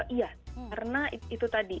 iya karena itu tadi